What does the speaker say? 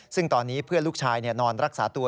ซึ่งตอนนี้เพื่อนลูกชายนอนรักษาตัว